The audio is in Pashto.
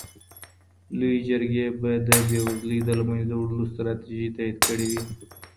لويې جرګي به د بي وزلۍ د له منځه وړلو ستراتيژي تاييد کړي وي.